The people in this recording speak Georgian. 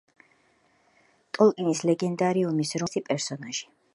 ტოლკინის ლეგენდარიუმის, რომანის „ჰობიტი“ ერთ-ერთი პერსონაჟი.